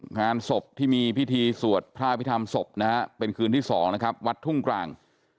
งานศพที่มีพิธีสวดพระอภิษฐรรมศพนะฮะเป็นคืนที่๒นะครับวัดทุ่งกลาง